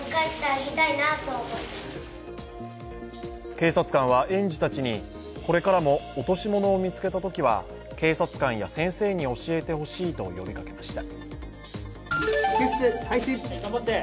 警察官は園児たちにこれからも落とし物を見つけたときは警察官や先生に教えてほしいと呼びかけました。